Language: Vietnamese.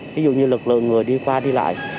ví dụ như lực lượng người đi qua đi lại